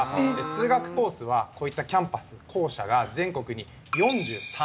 通学コースはこういったキャンパス校舎が全国に４３。